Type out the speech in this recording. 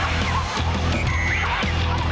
โอ้คุณคุณเร็วมาก